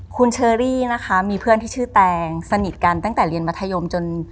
คุณเชอรี่นะคะมีเพื่อนที่ชื่อแตงสนิทกันตั้งแต่เรียนมัธยมจน